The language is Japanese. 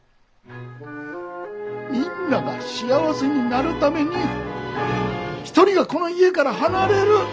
みんなが幸せになるために１人がこの家から離れる。